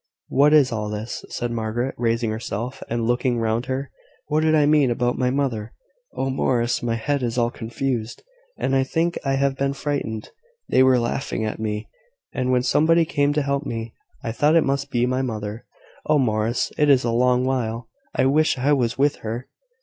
"What is all this?" said Margaret, raising herself, and looking round her. "What did I mean about my mother? Oh, Morris, my head is all confused, and I think I have been frightened. They were laughing at me, and when somebody came to help me, I thought it must be my mother. Oh, Morris, it is a long while I wish I was with her."